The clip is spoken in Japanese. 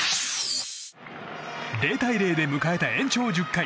０対０で迎えた延長１０回。